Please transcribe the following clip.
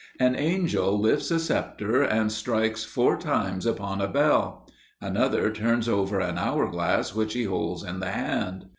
An angel lifts a scepter and strikes four times upon a bell; another turns over an hour glass which he holds in the hand.